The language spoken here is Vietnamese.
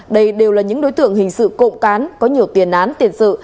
đây đều là những đối tượng hình sự cộng cán có nhiều tiền án tiền sự